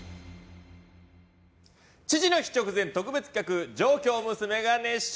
父の日直前特別企画上京する娘が熱唱！